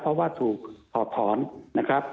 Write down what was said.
เพราะว่าถูกถอดถอนนะครับ